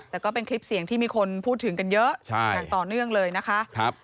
แต่ก็เป็นคลิปเสียงที่มีคนพูดถึงกันเยอะอย่างต่อเนื่องเลยนะคะ